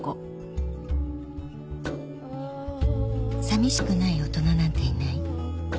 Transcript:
［さみしくない大人なんていない］